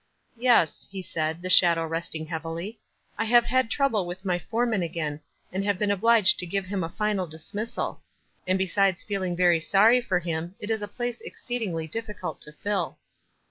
"Yes," ho said, the shadow resting heavily; •'I have had trouble with my foreman again, and have been obliged to give him a final dismissal ; and besides feeling very sorry for him, it is a place exceedingly difficult to fill."